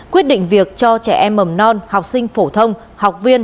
quyết định việc cho trẻ em mầm non học sinh phổ thông học viên